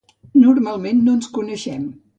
Normalment no ens coneixem.